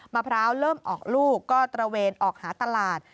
มะพร้าวเริ่มออกลูกก็ตระเวนออกหาตลาด